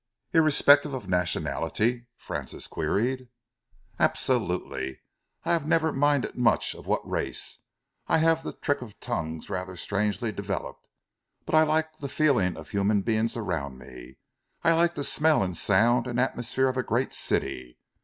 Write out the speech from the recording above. "Irrespective of nationality?" Francis queried. "Absolutely. I have never minded much of what race I have the trick of tongues rather strangely developed but I like the feeling of human beings around me. I like the smell and sound and atmosphere of a great city.